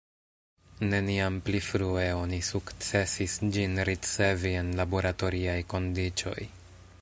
Neniam pli frue oni sukcesis ĝin ricevi en laboratoriaj kondiĉoj.